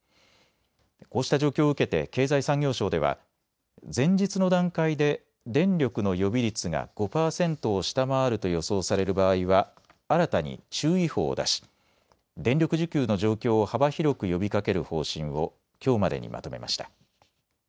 こうした状況を受けて経済産業省では前日の段階で電力の予備率が５％を下回ると予想される場合は新たに注意報を出し電力需給の状況を幅広く呼びかける方針をきょうまでにまとめました。